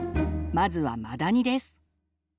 まずはマダニです。